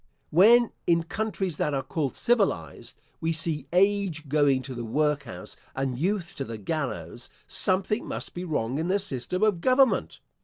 When, in countries that are called civilised, we see age going to the workhouse and youth to the gallows, something must be wrong in the system of government.